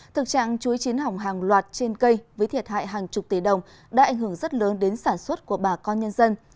thực trạng chuối chiến hỏng hàng loạt trên cây với thiệt hại hàng chục tỷ đồng đã ảnh hưởng rất lớn đến sản xuất của bà con nhân dân